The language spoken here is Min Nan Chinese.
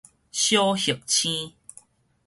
小行星